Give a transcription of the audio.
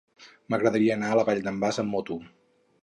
M'agradaria anar a la Vall d'en Bas amb moto.